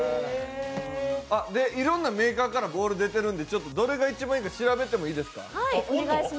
いろんなメーカーからボールが出てるんでどれが一番いいか調べてもいいでですか。